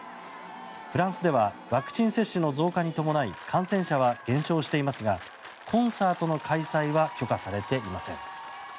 フランスではワクチン接種の増加に伴い感染者は減少していますがコンサートの開催は許可されていません。